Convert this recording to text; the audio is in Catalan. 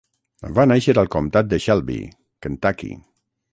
Va nàixer al comtat de Shelby, Kentucky.